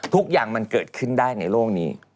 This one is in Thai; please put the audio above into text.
ทุกอย่างมันเกิดขึ้นได้ในโลกนี้